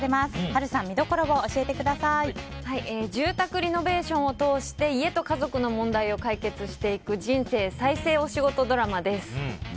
波瑠さん住宅リノベーションを通して家と家族の問題を解決していく人生再生お仕事ドラマです。